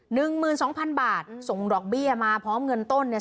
หนึ่งหมื่นสองพันบาทส่งดอกเบี้ยมาพร้อมเงินต้นเนี่ย